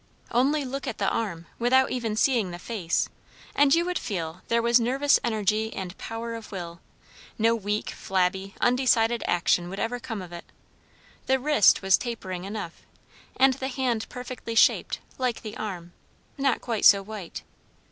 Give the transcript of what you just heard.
Only look at the arm, without even seeing the face, and you would feel there was nervous energy and power of will; no weak, flabby, undecided action would ever come of it. The wrist was tapering enough, and the hand perfectly shaped, like the arm; not quite so white.